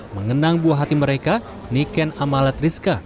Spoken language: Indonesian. mengenang buah hati mereka niken amalat rizka